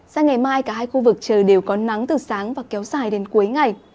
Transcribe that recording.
sang ngày mai cả hai khu vực trời đều có nắng từ sáng và kéo dài đến cuối ngày